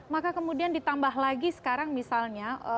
maka kemudian ditambah lagi sekarang misalnya